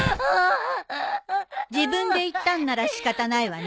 自分で言ったんなら仕方ないわね。